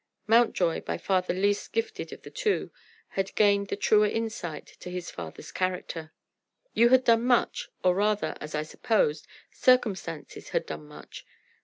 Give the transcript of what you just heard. Mountjoy, by far the least gifted of the two, had gained the truer insight to his father's character. "You had done much, or rather, as I supposed, circumstances had done much."